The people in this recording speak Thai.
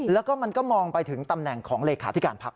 แล้วก็มันก็มองไปถึงตำแหน่งของเลขาธิการพัก